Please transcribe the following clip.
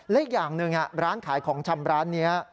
และอีกอย่างหนึ่งร้านขายของชำร้านนี้